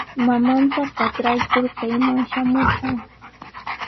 Mamanta katraykur kayman shamurqan.